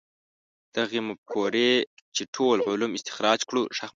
دغې مفکورې چې ټول علوم استخراج کړو.